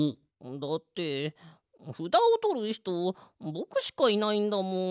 だってふだをとるひとぼくしかいないんだもん。